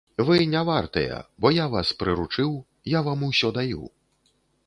Вы не вартыя, бо я вас прыручыў, я вам усё даю.